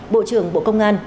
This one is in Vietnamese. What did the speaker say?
bộ trưởng bộ công an